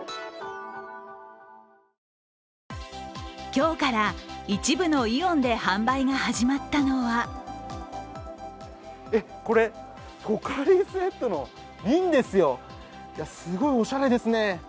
今日から一部のイオンで販売が始まったのはこれ、ポカリスエットの瓶ですよすごいおしゃれですね。